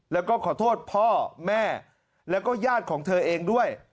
แล้วก็ขอโทษพ่อแม่แล้วก็ญาติของเธอเองด้วย